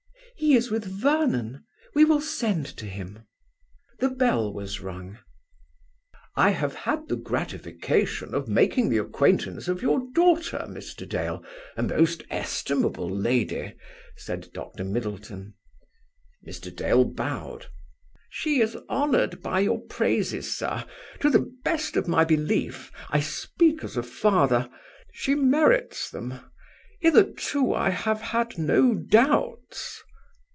"He is with Vernon. We will send to him." The bell was rung. "I have had the gratification of making the acquaintance of your daughter, Mr. Dale, a most estimable lady," said Dr. Middleton. Mr. Dale bowed. "She is honoured by your praises, sir. To the best of my belief I speak as a father she merits them. Hitherto I have had no doubts."